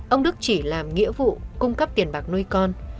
ông đức chỉ làm nghĩa vụ cung cấp tiền bạc nuôi con